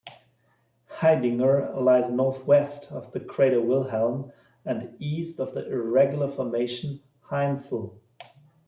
Haidinger lies northwest of the crater Wilhelm and east of the irregular formation Hainzel.